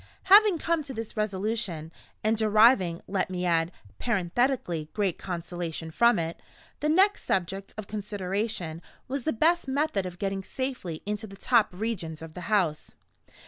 Having come to this resolution (and deriving, let me add, parenthetically, great consolation from it), the next subject of consideration was the best method of getting safely into the top regions of the house.